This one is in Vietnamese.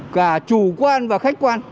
cả chủ quan và khách quan